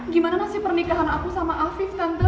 gimana masih pernikahan aku sama afik tante